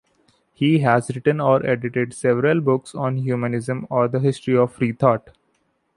He has written or edited several books on humanism or the history of freethought.